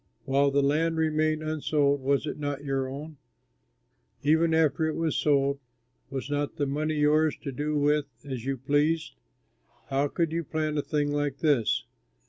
While the land remained unsold, was it not your own? Even after it was sold, was not the money yours to do with as you pleased? How could you plan a thing like this?